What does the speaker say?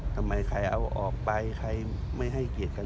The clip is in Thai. ทำไมใครเอาออกไปใครไม่ให้เกียรติกัน